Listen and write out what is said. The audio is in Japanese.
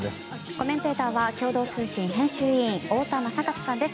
コメンテーターは共同通信編集委員太田昌克さんです。